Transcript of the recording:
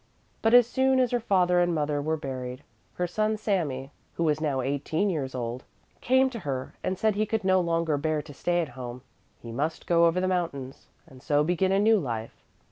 But as soon as her father and mother were buried, her son Sami, who was now eighteen years old, came to her and said he could no longer bear to stay at home, he must go over the mountains and so begin a new life.